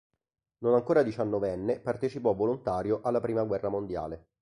Non ancora diciannovenne partecipò volontario alla prima guerra mondiale.